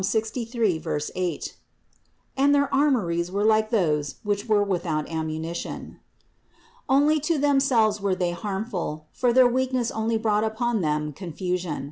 63, 8), and their armories were like those which were without ammunition. Only to themselves were they harmful, for their weakness only brought upon them confusion.